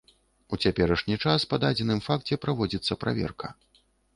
У цяперашні час па дадзеным факце праводзіцца праверка.